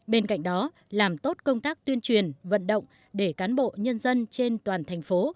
bên cạnh đó làm tốt công tác tuyên truyền vận động để cán bộ nhân dân trên toàn thành phố